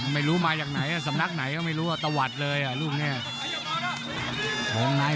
ไม่รู้มาจากไหนสำนักไหนก็ไม่รู้ว่าตะวัดเลยอ่ะลูกเนี่ย